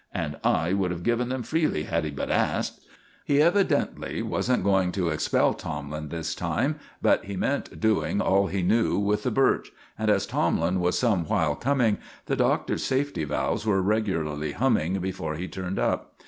And I would have given them freely had he but asked!" He evidently wasn't going to expel Tomlin this time, but he meant doing all he knew with the birch; and as Tomlin was some while coming, the Doctor's safety valves were regularly humming before he turned up.